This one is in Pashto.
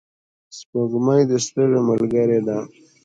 سپوږمۍ د ستورو ملګرې ده.